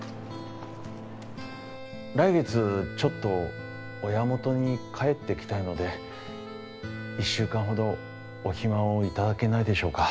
来月ちょっと親元に帰ってきたいので１週間ほどお暇を頂けないでしょうか。